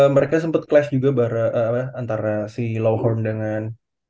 mereka sempat clash juga antara si low horn dengan